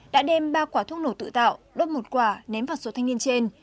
đã đem ba quả thuốc nổ tự tạo đốt một quả ném vào số thanh niên trên